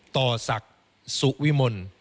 ต่อศักดิ์สุวิมล